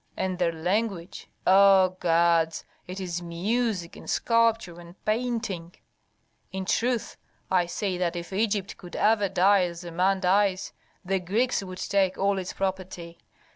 "And their language! O gods, it is music and sculpture and painting. In truth, I say that if Egypt could ever die as a man dies, the Greeks would take all its property.